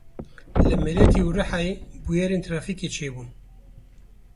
Li Meletî û Rihayê bûyerên trafîkê çêbûn.